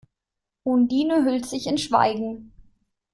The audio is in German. Undine hüllt sich in Schweigen.